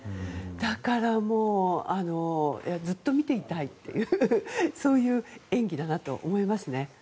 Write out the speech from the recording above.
だから、ずっと見ていたいとそういう演技だと思いますね。